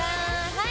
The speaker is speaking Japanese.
はい！